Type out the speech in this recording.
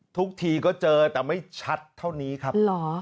ทุกทีก็เจอแต่ไม่ชัดเท่านี้ครับ